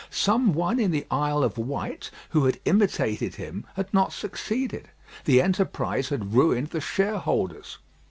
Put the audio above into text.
Some one in the Isle of Wight who had imitated him had not succeeded. The enterprise had ruined the shareholders.